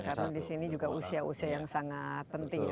karena di sini juga usia usia yang sangat penting